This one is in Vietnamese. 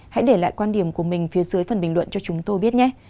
hãy để lại quan điểm của mình phía dưới phần bình luận cho chúng tôi biết nhé